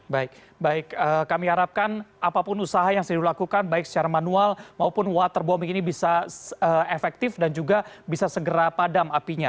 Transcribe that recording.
baik baik kami harapkan apapun usaha yang sudah dilakukan baik secara manual maupun waterbombing ini bisa efektif dan juga bisa segera padam apinya